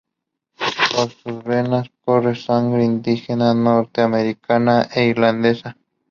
Por sus venas corre sangre indígena norteamericana e irlandesa.